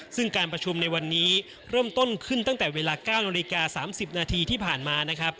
ซึ่งการประชุมในวันนี้เริ่มต้นขึ้นตั้งแต่เวลา๙นาฬิกา๓๐นาทีที่ผ่านมานะครับ